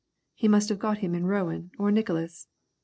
He must have got him in Roane or Nicholas.